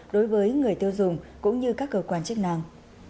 đối với người tiêu dùng cũng như các cơ quan chức năng